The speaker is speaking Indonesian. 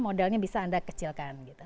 modalnya bisa anda kecilkan